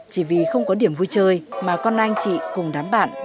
chỉ vì không có điểm vui chơi mà con anh chị cùng đám bạn